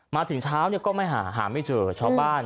มาถึงเช้าก็ไม่หาหาไม่เจอชาวบ้าน